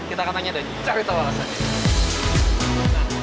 kita akan tanya dari cerita luar sana